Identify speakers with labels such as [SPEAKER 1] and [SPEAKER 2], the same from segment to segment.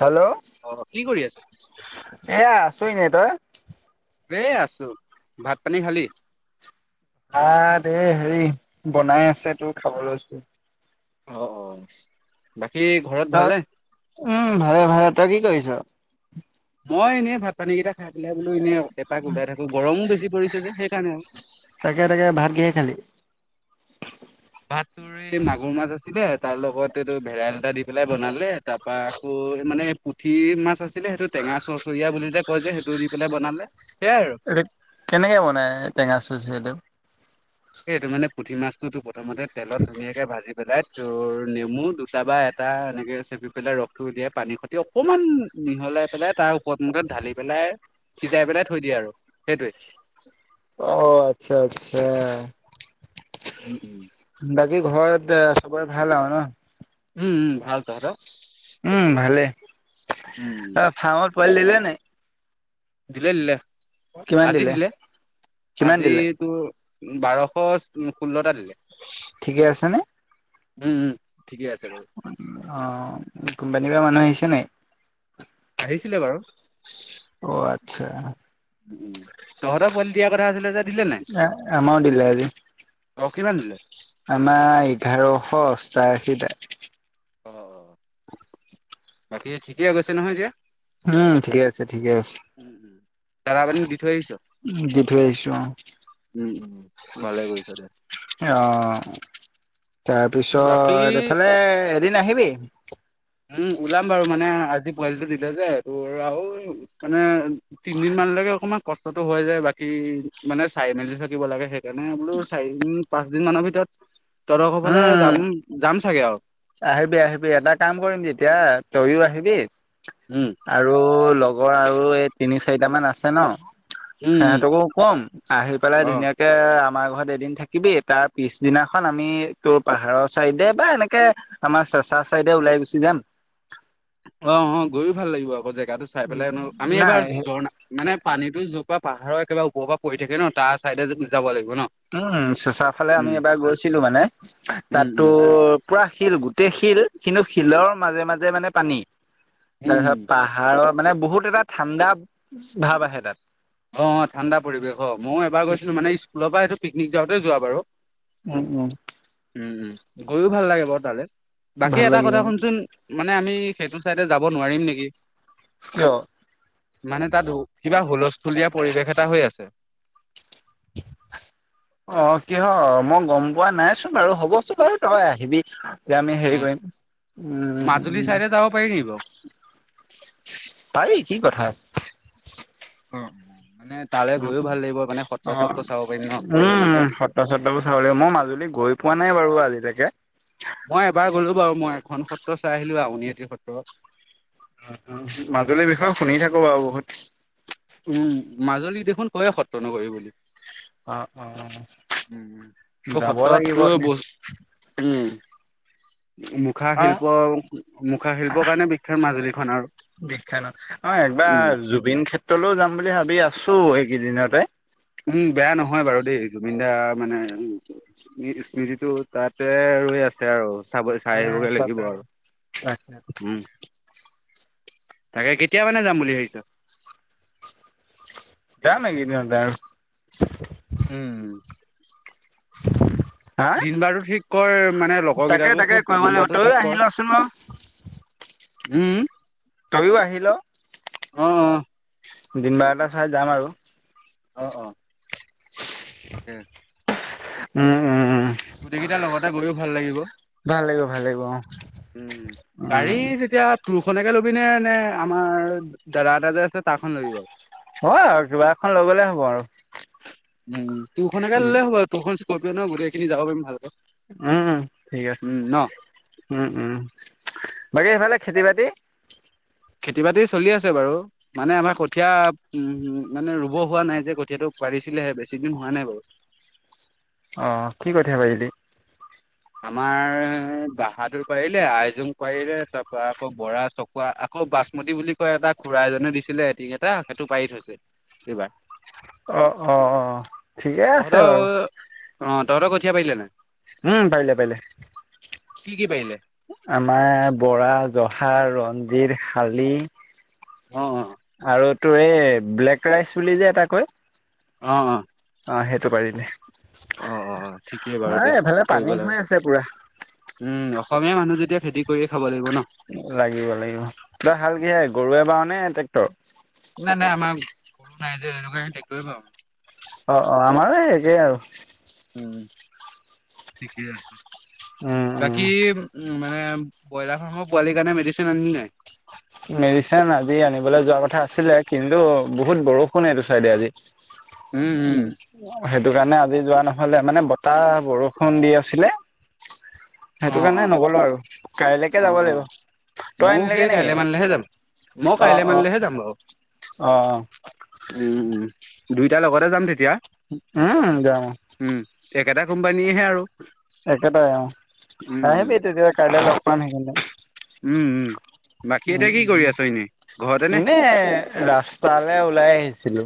[SPEAKER 1] Hello
[SPEAKER 2] অ কি কৰি আছ?
[SPEAKER 1] এ আছোঁ ন তই
[SPEAKER 2] আছো, ভাত পানী খালি।
[SPEAKER 1] আ দে হেৰি বনাই আছে তোৰ খাব লৈছো।
[SPEAKER 2] অ' অ' বাকী ঘৰত
[SPEAKER 1] তই
[SPEAKER 2] ভালনে?
[SPEAKER 1] উম ভালে-ভালে তই কি কৰিছ?
[SPEAKER 2] মই এনেই ভাতানীকেইটা খাই পেলাই বোলো এনেই আৰু এপাক ওলাই থাকো গৰমো বেছি পৰিছে যে সেইকাৰণে আৰু
[SPEAKER 1] তাকে তাকে ভাত কিহে খালি
[SPEAKER 2] ভাত তোৰ এই মাগুৰ মাছ আছিলে তাৰ লগত এইটো ভেদাইলতা দি পেলাই বনালে তাৰ [unintelligible] বা আকৌ মানে পুঠি মাছ আছিলে সেইটো টেঙা চচৰিয়া বুলিতে কয় যে সেইটো দি পেলাই বনালে সেয়াই আৰু।
[SPEAKER 1] এইটো কেনেকে বনাই টেঙা চুচ সেইটো?
[SPEAKER 2] সেইটো মানে পুঠি মাছটোতো প্ৰথমতে তেলত ধুনীয়াকে ভাজি পেলাই। আৰু নেমু দুটা বা এটা এনেকে চেপি পেলাই ৰসটো দিয়ে পানীৰ সতি অকমান মিহলাই পেলাই। তাৰ ওপৰত মুখত ঢালি পেলাই সিজাই পেলাই থৈ দিয়ে আৰু সেইটোৱে।
[SPEAKER 1] অ' আচ্ছা আচ্ছা
[SPEAKER 2] উম হুম
[SPEAKER 1] বাকী ঘৰত চবৰে ভাল আৰু ন-
[SPEAKER 2] উম ভাল। তহঁতৰ?
[SPEAKER 1] উম ভালে
[SPEAKER 2] উম
[SPEAKER 1] অ ফাৰ্মত পোৱালি দিলে নাই?
[SPEAKER 2] দিলে দিলে আজি দিলে
[SPEAKER 1] কিমান
[SPEAKER 2] আজি
[SPEAKER 1] দিলে
[SPEAKER 2] তো বাৰশ ষোল্লটা দিলে।
[SPEAKER 1] ঠিকে আছে নে?
[SPEAKER 2] উম উম। ঠিকে আছে বাৰু
[SPEAKER 1] অ' কোম্পানীৰ পৰা মানুহ আহিছে নাই।
[SPEAKER 2] আহিছিলে বাৰু।
[SPEAKER 1] অ' আচ্ছা।
[SPEAKER 2] উম তহঁতৰ পোৱালি দিয়া কথা আছিলে যে। দিলে
[SPEAKER 1] এ আমাৰো দিলে আজি।
[SPEAKER 2] অহ কিমান দিলে
[SPEAKER 1] আমাৰ এঘাৰশ অষ্টাশীতে
[SPEAKER 2] অ' অ' বাকী ঠিকেই গৈছে নহয়?
[SPEAKER 1] উম ঠিকে আছে, ঠিকে আছে।
[SPEAKER 2] উম উম দানা পানী দি থৈ আহিছ
[SPEAKER 1] উ দি থৈ আহিছো অ'
[SPEAKER 2] উম উম ভালে গছৰে
[SPEAKER 1] অ'
[SPEAKER 2] বাকী
[SPEAKER 1] তাৰপিছত এইফালে এদিন আহিবি।
[SPEAKER 2] উম ওলাম বাৰু মানে আজি পোৱালিটো দিলে যে। তোৰ আৰু মানে তিনদিন মান অকণমান কষ্টতটো হয় যায়। বাকী মানে চাই মেলি থাকিব লাগে। সেইকাৰণে বোলো চাৰিদিন পাচঁদিন দুদিন মানৰ ভিতৰত তহঁতৰ ঘৰৰ ফালে
[SPEAKER 1] উম
[SPEAKER 2] যাম যাম চাগে আৰু
[SPEAKER 1] আহিবি আহিবি এটা কাম কৰিম তেতিয়া তইও আহিবি
[SPEAKER 2] উম।
[SPEAKER 1] আৰু লগৰ আৰু এই তিনি চাৰিটামান আছে ন?
[SPEAKER 2] উম উম
[SPEAKER 1] সিহঁতকো কম আহি পেলাই
[SPEAKER 2] অ
[SPEAKER 1] ধুনীয়াকে [unintelligible] আমাৰ ঘৰত এদিন থাকিবি। তাৰ পিছদিনাখন আমি তোৰ পাহাৰৰ চাইডে বা এনেকে। আমাৰ চেচা চাইদে ওলাই গুচি যাম।
[SPEAKER 2] অ অ গৈও ভাল লাগিব আকৌ জেগাটো চাই পেলাই আমি এবাৰ
[SPEAKER 1] নাই
[SPEAKER 2] জৰ্না মানে পানীতো পাহাৰৰ কিবা ওপৰ পৰা পৰি থাকে ন তাৰ চাইডে যাব লাগিব। ন
[SPEAKER 1] উম চচা ফালে আমি
[SPEAKER 2] উম
[SPEAKER 1] এবাৰ গৈছিলো মানে
[SPEAKER 2] উম
[SPEAKER 1] তাতো
[SPEAKER 2] উম
[SPEAKER 1] পুৰা শিল গোটেই শিল শিল কিন্তু শিলৰ মাজে মাজে মানে পানী তাৰপিছত
[SPEAKER 2] উম।
[SPEAKER 1] পাহাৰত মানে বহুত এটা ঠাণ্ডা ভাৱ আহে তাত
[SPEAKER 2] অ ঠাণ্ডা পৰিৱেশ অ ময়ো এবাৰ গৈছিলো মানে স্কুলৰ পৰা সেইটো পিকনিক যাওঁতে যোৱা বাৰু।
[SPEAKER 1] উম উম।
[SPEAKER 2] উম উম গৈও ভাল লাগে বাৰু তালে, বাকী
[SPEAKER 1] ভাল
[SPEAKER 2] এটা
[SPEAKER 1] লাগিব
[SPEAKER 2] কথা শুনচোন মানে আমি সেইটো চাইডে যাব নোৱাৰিম নেকি
[SPEAKER 1] অ
[SPEAKER 2] মানে তাঁত কিবা হুলস্থুলীয়া পৰিৱেশ এটা হৈ আছে
[SPEAKER 1] অ কিহৰ মই গম পোৱা নাইচোন বাৰু হ'বচোন বাৰু তই আহিবি এতিয়া আমি হেৰি কৰিম
[SPEAKER 2] মাজুলী
[SPEAKER 1] উম
[SPEAKER 2] চাইডে যাব পাৰি নেকি বাৰু
[SPEAKER 1] পাৰি কি কথা আছিলে।
[SPEAKER 2] অ অ।
[SPEAKER 1] উ অ
[SPEAKER 2] চত্ৰ চাব পাৰিম ন
[SPEAKER 1] উম উ
[SPEAKER 2] ধুনীয়াকে
[SPEAKER 1] সত্ৰ সত্ৰবোৰ চাব লাগিব মই মাজুলী গৈ পোৱা নাই বাৰু আজিলৈকে।
[SPEAKER 2] মই এবাৰ গলো বাৰু মই এখন সত্ৰ চাই আহিলো আউনিআটি সত্ৰ
[SPEAKER 1] মাজুলীৰ বিষয়ে শুনি থাকো বাৰু বহুত।
[SPEAKER 2] উম মাজুলীক দেখোন কয়ে সত্ৰ নগৰি বুলি
[SPEAKER 1] অ অ অ
[SPEAKER 2] উম সত্ৰতো
[SPEAKER 1] এনে
[SPEAKER 2] ব উম মুখা
[SPEAKER 1] অ
[SPEAKER 2] শিল্প, মুখা শিল্পৰ কাৰণে বিখ্যাত মাজুলীখন আৰু
[SPEAKER 1] বিখ্যাত ন, অ
[SPEAKER 2] উম
[SPEAKER 1] একবাৰ জুবিন ক্ষেত্ৰলৈও যাম বুলি ভাবি আছোঁ এইকেইদিনতে।
[SPEAKER 2] উম বেয়া নহয় বাৰু দেই জুবিন দাৰ মানে স্মৃতিটো তাতে ৰৈ আছে আৰু চাব চাই আহিবগে লাগিব আৰু।
[SPEAKER 1] তাকে
[SPEAKER 2] উম তাকে কেতিয়া মানে যাম বুলি ভাবিছ
[SPEAKER 1] যাম এইকেইদিনতে
[SPEAKER 2] উম।
[SPEAKER 1] [unintelligible]
[SPEAKER 2] দিন বাৰো ঠিক কৰ মানে লগৰ
[SPEAKER 1] তাকে
[SPEAKER 2] কেইটাকো
[SPEAKER 1] তাকে
[SPEAKER 2] সোধ
[SPEAKER 1] কৰিব
[SPEAKER 2] দিন
[SPEAKER 1] লাগিব
[SPEAKER 2] বাৰটো
[SPEAKER 1] তইও
[SPEAKER 2] ঠিক
[SPEAKER 1] আহি লচোন বাৰু
[SPEAKER 2] কৰ উম
[SPEAKER 1] তইও আহি ল
[SPEAKER 2] অ অ
[SPEAKER 1] দিন বাৰ এটা চাই যাম আৰু।
[SPEAKER 2] অহ অহ তাকে
[SPEAKER 1] উম উম উম।
[SPEAKER 2] গোটেইকেইটা লগতে গৈও ভাল লাগিব।
[SPEAKER 1] ভাল লাগিব ভাল লাগিব অ
[SPEAKER 2] উম গাড়ী
[SPEAKER 1] উম
[SPEAKER 2] যেতিয়া। তোৰখনকে ল'বি নে নে আমাৰ দাদা এটা যে আছে তাৰ খ ল'বি বাও
[SPEAKER 1] হয় আৰু কিবা এখন লৈ গ'লে হ'ব আৰু।
[SPEAKER 2] উম তোৰখনেকে
[SPEAKER 1] উম
[SPEAKER 2] ললে হ'ব তোৰখন ইস্কপ্ৰিয় নহ গোটেই খিনি যাব পাৰিম ভালকে
[SPEAKER 1] উম উম ঠিক আছে,
[SPEAKER 2] উম, ন
[SPEAKER 1] উম উম। বাকী সেইফালে খেতি বাতি
[SPEAKER 2] খেতি বাতি চলি আছে বাৰু মানে আমাৰ কঠীয়া উম মানে ৰুব হোৱা নাই যে কঠীয়াটো পাৰিছিলেহে বেছি দিন হোৱা নাই বাৰু।
[SPEAKER 1] অ কি কঠিয়া পাৰিলি
[SPEAKER 2] আমাৰ বাহাদুৰ পাৰিলে আইজোং পাৰিলে তাৰ পৰা আকৌ বৰা চকুৱা আকৌ বাচমতী বুলি কয় এটা খুড়া এজনে দিছিলে এটিং এটা সেইটো পাৰি থৈছে এইবাৰ।
[SPEAKER 1] অ অ অ ঠিকেই আছে বাৰু।
[SPEAKER 2] তহত কঠিয় পাৰিলে না।
[SPEAKER 1] উম পাইলে পলে।
[SPEAKER 2] কি কি পাৰিলে?
[SPEAKER 1] আমাৰ বৰা জহা ৰঞ্জিত শালি।
[SPEAKER 2] অ অ।
[SPEAKER 1] ত এই ব্লেক ৰাইচ বুলি যে এটা কৈ।
[SPEAKER 2] অ অ।
[SPEAKER 1] অ সেইটো পাৰি নে?
[SPEAKER 2] অ অ ঠিকেই বাৰু দে
[SPEAKER 1] এইফালে পানী
[SPEAKER 2] কৰিব
[SPEAKER 1] হৈ
[SPEAKER 2] লাগে
[SPEAKER 1] আছে পুৰা
[SPEAKER 2] উম অসমীয়া মানুহ যেতি খেতি কৰিয়ে খাব লাগিব। ন।
[SPEAKER 1] লাগিব লাগিব তই হাল কিহে গৰুৱে বাও নে ট্ৰেক্টৰ।
[SPEAKER 2] নাই নাই আমাৰ গৰু নাই যে সেইটো কাৰণে টেক্টুৰে বাও।
[SPEAKER 1] অ অ আমাৰ একেই আৰু।
[SPEAKER 2] উম ঠিকেই আছে
[SPEAKER 1] উম উম
[SPEAKER 2] বাকী উ মানে ব্ৰইলাৰ ফাৰ্মৰ পোৱালি কাৰণে মেডিচিন আনিলি নাই
[SPEAKER 1] মেডিচন আজি আনিবলৈ যোৱা কথা আছিলে কিন্তু বহুত বৰষুণ এইটো চাইডে আজি। উম। সেইটো কাৰণে আজি যোৱা নহলে মানে বতাহ বৰষুণ দি আছিলে।
[SPEAKER 2] অ
[SPEAKER 1] সেইটো কাৰণে, নগলো আৰু কাইলৈকে
[SPEAKER 2] অ অ
[SPEAKER 1] যাব
[SPEAKER 2] অ
[SPEAKER 1] লাগিব তই
[SPEAKER 2] ময়ো সেই
[SPEAKER 1] আনিলেগে
[SPEAKER 2] কাইলে
[SPEAKER 1] নেকি?
[SPEAKER 2] মানলেহে যাম মই
[SPEAKER 1] অ
[SPEAKER 2] কাইলে
[SPEAKER 1] অ
[SPEAKER 2] মানিলেহে যাম বাৰু।
[SPEAKER 1] অ
[SPEAKER 2] উম উম দুইটাৰ লগতে যাম তেতিয়া।
[SPEAKER 1] উম যাম।
[SPEAKER 2] উম। একেটা কোম্পানীয়েহে আৰু
[SPEAKER 1] একেটাই অ
[SPEAKER 2] উম উম।
[SPEAKER 1] আহিবি তেতিয়া কাইলে লগ পাম সেইকাৰণে।
[SPEAKER 2] উম উম। বাকী
[SPEAKER 1] উম
[SPEAKER 2] এতিয়া কি কৰি
[SPEAKER 1] উম
[SPEAKER 2] আছ এনেই ঘৰতে
[SPEAKER 1] উ
[SPEAKER 2] নে?
[SPEAKER 1] এনে ৰাস্তালৈ ওলাই আহিছিলো।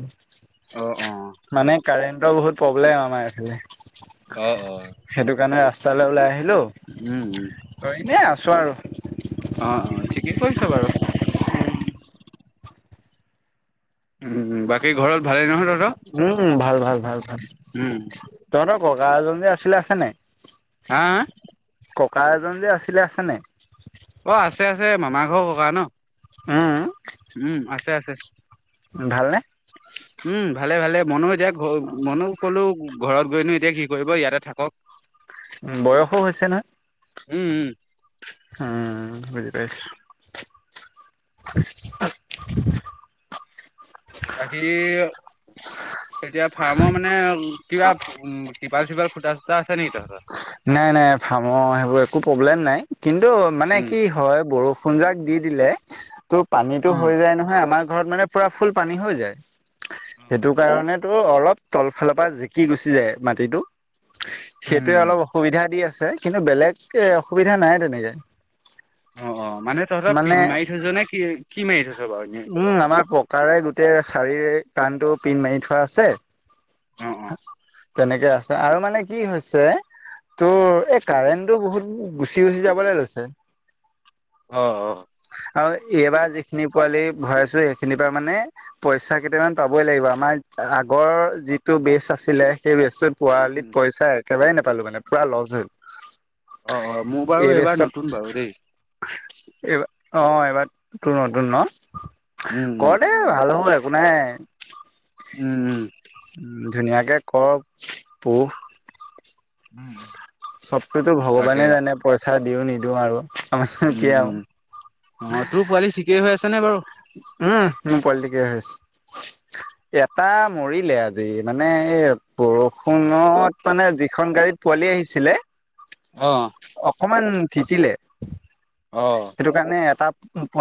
[SPEAKER 2] অ অ।
[SPEAKER 1] মানে কাৰেণ্টৰ বহুত প্ৰব্লেম আমাৰ।
[SPEAKER 2] অ অ।
[SPEAKER 1] সেইটো কাৰণে ৰাস্তালৈ ওলাই আহি। হেল্ল'
[SPEAKER 2] উম উম
[SPEAKER 1] ত এনে আছোঁ আৰু।
[SPEAKER 2] অ অ ঠিকেই কৰিছ বাৰু। উম বাকী ঘৰত ভালে নহয় ত।
[SPEAKER 1] উম ভাল ভাল ভাল ভাল,
[SPEAKER 2] উম
[SPEAKER 1] তহঁতৰ ককা এজন যে আছিলে আছে নাই।
[SPEAKER 2] হাঁ হাঁ।
[SPEAKER 1] ককা এজন যে আছিলে আছেনে?
[SPEAKER 2] ৰ ক ন।
[SPEAKER 1] হাঁ হাঁ।
[SPEAKER 2] উম আছে আছে।
[SPEAKER 1] ভালনে?
[SPEAKER 2] উম ভালে ভালে মনও যাক ঘ মন ক'লো। ঘৰত গৈনো এতিয়া কি কৰিব ইয়াতে থাকক।
[SPEAKER 1] উ বয়সো হৈছে নহয়?
[SPEAKER 2] উম উম।
[SPEAKER 1] উম বজৰাছ। [unintelligible]
[SPEAKER 2] তাকি। এতিয়া ফাৰ্মৰ মানে কিবা টিপাল চিপাল ফুটা চুটা আছে নেকি তহতৰ।
[SPEAKER 1] নাই নাই ফাৰ্মৰ সেইবোৰ একো প্ৰব্লেম নাই কিন্তু মানে
[SPEAKER 2] উম
[SPEAKER 1] কি হয় বৰষুণ। বৰষুণ জাক দি দিলে ত' পানীতটো
[SPEAKER 2] উম
[SPEAKER 1] হৈ যায় নহয় আমাৰ ঘৰত মানে পুৰা ফুল পানী হৈ যায়। সেইটো কাৰণেতো অলপ তলফালৰ পৰা জিকি গুচি যায় মাটিটো। সেইটোৱে
[SPEAKER 2] উম
[SPEAKER 1] অলপ অসুবিধা দি আছে কিন্তু বেলেগ এ অসুবিধা নাই তেনেকে।
[SPEAKER 2] অ অ মানে তহতৰ
[SPEAKER 1] মানে
[SPEAKER 2] পিন্ধ মাৰি থৈছ নে কি কি মাৰি থৈছ। বাৰু এনে
[SPEAKER 1] উম আমাৰ পকাৰে গোটেই শাৰী কাণটো পিন্ধ মাৰি থোৱা আছে।
[SPEAKER 2] অ অ
[SPEAKER 1] তেনেকে আছে আৰু মানে কি হৈছে ত' এই কাৰেণ্টটো বহুত গুচি গুচি যাবলৈ লৈছে।
[SPEAKER 2] অ অ।
[SPEAKER 1] আৰু এইবাৰ যিখিনি। পোৱালি ভৰাই আছো সেইখিনিৰ পা মানে পইচা কেইটামান পাবই লাগিব আমাৰ আগৰ যিটো বেষ্ট আছিলে সেই বেচটোত পোৱালিত
[SPEAKER 2] উম
[SPEAKER 1] পইচা একেবাৰে নোপালো মানে পুৰা লছ হ'ল।
[SPEAKER 2] অ অ মোৰ বাৰু
[SPEAKER 1] এইব
[SPEAKER 2] এইবাৰ
[SPEAKER 1] চব
[SPEAKER 2] নতুন বাৰু দেই
[SPEAKER 1] এইব। অ এইবাৰ ত নতুন ন,
[SPEAKER 2] উম উম
[SPEAKER 1] কৰ দে ভাল হ'ব একো নাই।
[SPEAKER 2] উম উম।
[SPEAKER 1] উম ধুনীয়াকে কৰ পোহ
[SPEAKER 2] উম
[SPEAKER 1] চবকতো
[SPEAKER 2] তাকে
[SPEAKER 1] ভগৱানে জানে পইচা দিও নিদিওঁ আৰু আমাৰ কি।
[SPEAKER 2] উম উম অ তোৰ পোৱালি ঠিকেই হৈ আছে নে বাৰু
[SPEAKER 1] উম মোৰ পলিটিকে হৈছ। এটা মৰিলে আজি মানে এ বৰষুণত মানে যিখন গাড়ীত পোৱালি আহিছিলে
[SPEAKER 2] অ অ
[SPEAKER 1] অকমান তিতিলে সেইটো কাৰণে এটা